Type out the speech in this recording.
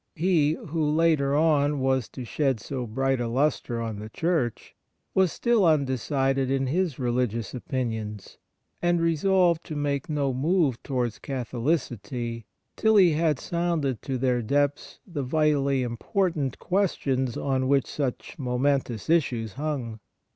He, who later on was to shed so bright a lustre on the Church, was still undecided in his religious opinions, and resolved to make no move towards Catholicity till he had sounded to their depths the vitally important questions on which such momentous issues hung.